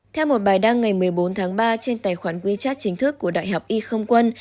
theo một bài đăng ngày một mươi bốn tháng ba trên tài khoản wechat chính thức của đại học y không quân